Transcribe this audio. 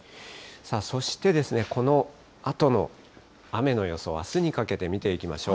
そしてこのあとの雨の予想、あすにかけて見ていきましょう。